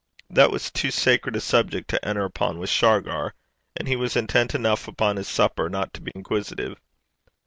That was too sacred a subject to enter upon with Shargar, and he was intent enough upon his supper not to be inquisitive.